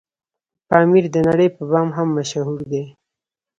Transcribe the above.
پامير دنړۍ په بام هم مشهور دی